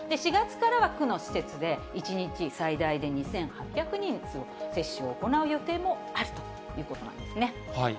４月からは、区の施設で、１日最大で２８００人、接種を行う予定もあるということなんですね。